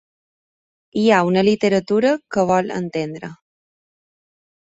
Hi ha una literatura que vol entendre.